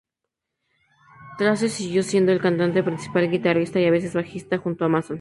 Trace siguió siendo el cantante principal, guitarrista y a veces bajista junto a Mason.